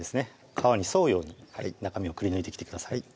皮に沿うように中身をくり抜いてきてください